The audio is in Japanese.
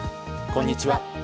こんにちは。